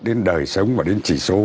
đến đời sống và đến sản xuất